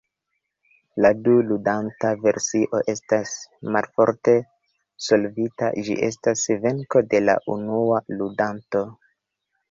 La du-ludanta versio estas malforte solvita; ĝi estas venko de la unua ludanto.